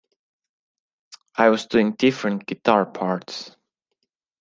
I was doing different guitar parts.